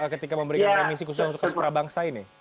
ketika memberikan remisi khusus untuk seprabangsa ini